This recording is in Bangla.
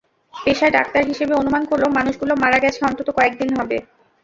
পেশায় ডাক্তার হিসেবে অনুমান করল মানুষগুলো মারা গেছে অন্তত কয়েকদিন হবে।